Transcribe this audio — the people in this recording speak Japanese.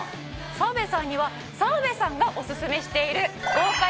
澤部さんには澤部さんがオススメしている豪快！